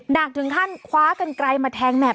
หนักถึงขั้นคว้ากันไกลมาแทงแม่